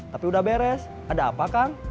tapi udah beres ada apa kan